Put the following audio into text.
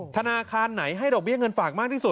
ธนาคารไหนให้ดอกเบี้ยเงินฝากมากที่สุด